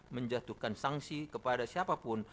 menjatuhkan sanksi kepada siapapun